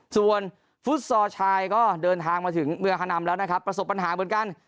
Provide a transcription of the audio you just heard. ส่วนฟุตซอลชายก็เดินทางมาถึงเมืองฮานำแล้วนะครับประสบปัญหาเหมือนกัน